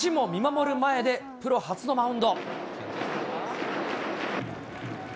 そう、父も見守る前で、プロ初のマウンド。